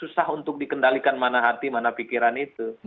susah untuk dikendalikan mana hati mana pikiran itu